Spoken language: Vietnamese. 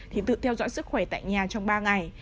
thì tự theo dõi sức khỏe tại nhà trong ba ngày